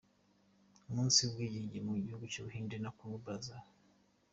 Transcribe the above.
Umunsi w’ubwigenge mu gihugu cy’ubuhinde na Kongo Brazza.